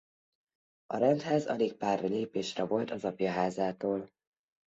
A rendház alig pár lépésre volt az apja házától.